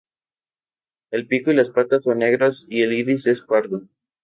El pico y las patas son negros y el iris es pardo.